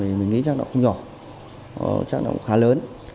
thì mình nghĩ chắc nó không nhỏ chắc nó cũng khá lớn